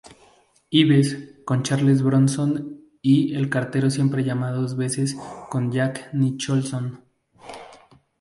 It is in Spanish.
Ives" con Charles Bronson y "El cartero siempre llama dos veces" con Jack Nicholson.